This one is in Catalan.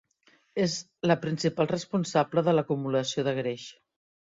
És la principal responsable de l'acumulació de greix.